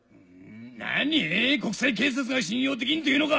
何⁉国際警察が信用できんというのか！